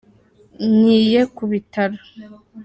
Nyiye kubitaro.